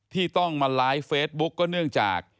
ที่ต้องมาไลฟ์เฟซบุ๊กก็เนื่องจาก